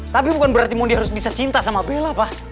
tapi bukan berarti harus bisa cinta sama bella pak